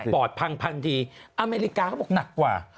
ปอดพังทันทีอเมริกาเขาบอกหนักกว่า